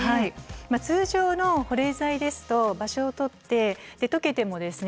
通常の保冷剤ですと場所を取ってで溶けてもですね